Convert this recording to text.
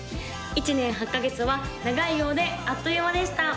１年８カ月は長いようであっという間でした！